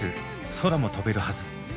「空も飛べるはず」。